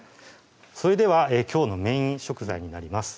それではきょうのメイン食材になります